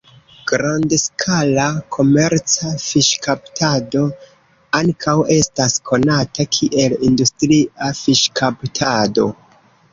Grandskala komerca fiŝkaptado ankaŭ estas konata kiel industria fiŝkaptado.